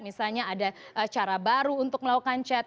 misalnya ada cara baru untuk melakukan chat